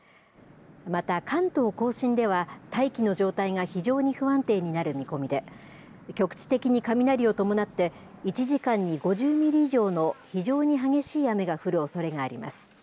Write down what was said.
また、関東甲信では大気の状態が非常に不安定になる見込みで、局地的に雷を伴って、１時間に５０ミリ以上の非常に激しい雨が降るおそれがあります。